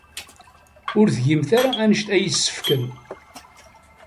Ur tgimt ara anect ay yessefken?